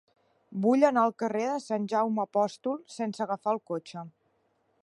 Vull anar al carrer de Sant Jaume Apòstol sense agafar el cotxe.